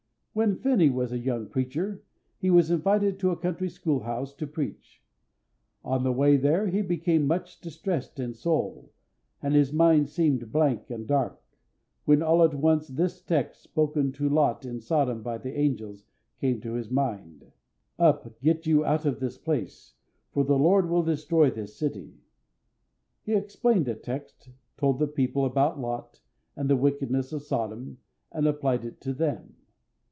When Finney was a young preacher, he was invited to a country school house to preach. On the way there he became much distressed in soul, and his mind seemed blank and dark, when all at once this text, spoken to Lot in Sodom by the angels, came to his mind: "Up, get you out of this place; for the Lord will destroy this city." He explained the text, told the people about Lot, and the wickedness of Sodom, and applied it to them.